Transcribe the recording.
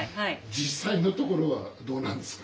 実際のところはどうなんですか？